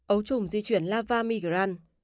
ấu trùng di chuyển lava migran